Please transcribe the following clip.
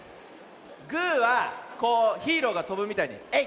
グーはこうヒーローがとぶみたいにえい！